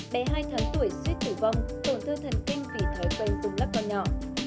bé hai tháng tuổi suýt tử vong tổn thương thần kinh vì thói quên cùng lắc con nhỏ